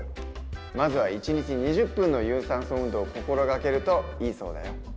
まずは１日２０分の有酸素運動を心がけるといいそうだよ。